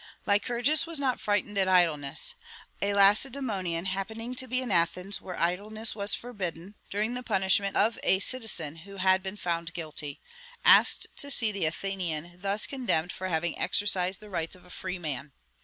"Lycurgus was not frightened at idleness! A Lacedemonian, happening to be in Athens (where idleness was forbidden) during the punishment of a citizen who had been found guilty, asked to see the Athenian thus condemned for having exercised the rights of a free man....